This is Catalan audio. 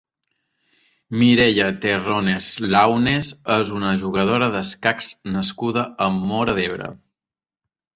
Mireia Terrones Launes és una jugadora d'escacs nascuda a Móra d'Ebre.